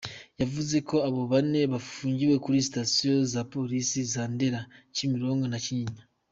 Yavuze ko abo bane bafungiwe kuri Sitasiyo za Polisi za Ndera, Kimironko na Kinyinya.